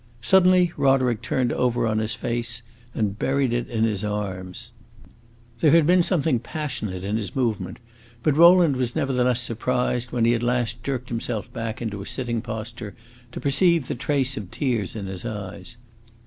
Suddenly Roderick turned over on his face, and buried it in his arms. There had been something passionate in his movement; but Rowland was nevertheless surprised, when he at last jerked himself back into a sitting posture, to perceive the trace of tears in his eyes.